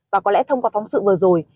và có lẽ thông qua phóng sự vừa rồi